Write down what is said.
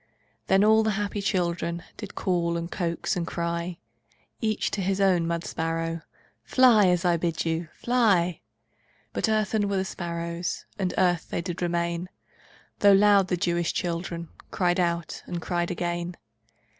Then all the happy children Did call, and coax, and cry Each to his own mud sparrow: "Fly, as I bid you! Fly!" But earthen were the sparrows, And earth they did remain, Though loud the Jewish children Cried out, and cried again.